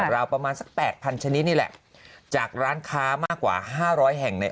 เราประมาณสัก๘๐๐๐ชนิดนี่แหละจากร้านค้ามากกว่า๕๐๐แห่งใน